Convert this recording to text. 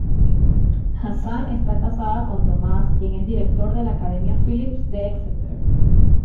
Hassan está casada con Thomas quien es director de la Academia Phillips de Exeter.